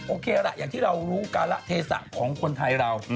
โอเคล่ะอย่างที่เรารู้การะเทศะของคนไทยเรา